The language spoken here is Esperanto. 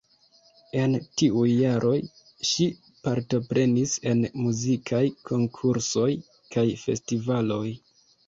En tiuj jaroj ŝi partoprenis en muzikaj konkursoj kaj festivaloj.